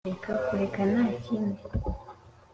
uku gufungura, kureka, kureka ntakindi.